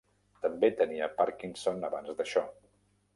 També tenia Parkinson abans d'això.